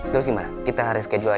terus gimana kita reskejul aja ya